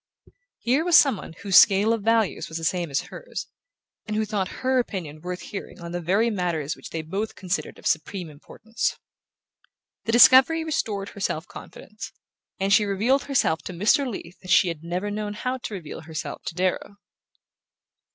Here was some one whose scale of values was the same as hers, and who thought her opinion worth hearing on the very matters which they both considered of supreme importance. The discovery restored her self confidence, and she revealed herself to Mr. Leath as she had never known how to reveal herself to Darrow.